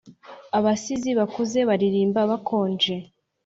abasizi bakuze baririmba bakonje